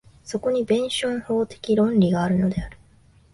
そこに弁証法的論理があるのである。